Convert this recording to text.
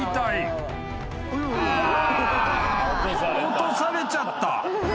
［落とされちゃった］